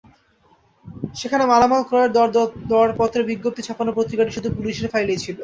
সেখানে মালামাল ক্রয়ের দরপত্র বিজ্ঞপ্তি ছাপানো পত্রিকাটি শুধু পুলিশের ফাইলেই ছিল।